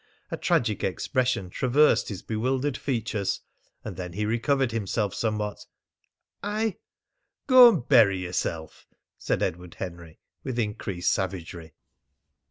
A tragic expression traversed his bewildered features; and then he recovered himself somewhat. "I " "Go and bury yourself!" said Edward Henry, with increased savagery.